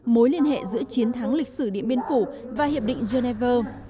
mối liên hệ giữa chiến thắng lịch sử điện biên phủ và hiệp định geneva